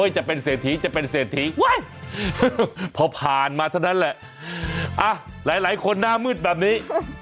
จะเป็นเศรษฐีจะเป็นเศรษฐีพอผ่านมาเท่านั้นแหละหลายคนหน้ามืดแบบนี้